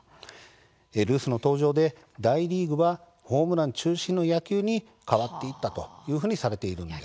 ルースの登場で大リーグはホームラン中心の野球に変わっていったというふうにされているんです。